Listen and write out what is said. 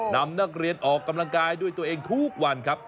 นำนักเรียนออกกำลังกายด้วยตัวเองทุกวันครับ